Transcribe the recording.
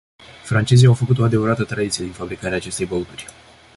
Francezii au făcut o adevărată tradiție din fabricarea acestei băuturi.